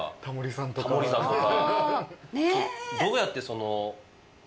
タモリさんとか。